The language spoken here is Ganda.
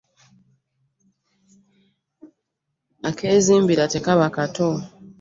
Akezimbira tekaba kato.